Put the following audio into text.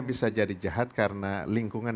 bisa jadi jahat karena lingkungan